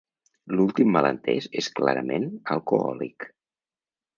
L'últim malentès és clarament alcohòlic.